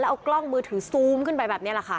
ตัวมือถือซูมขึ้นไปแบบนี้ค่ะ